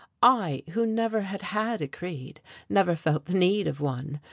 I who never had had a creed, never felt the need of one!